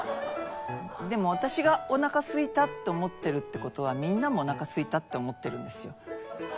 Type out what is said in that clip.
でも私がお腹すいたって思ってるって事はみんなもお腹すいたって思ってるんですよ。